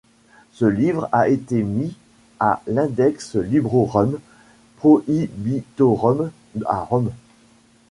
Ce livre a été mis à l'Index librorum prohibitorum à Rome.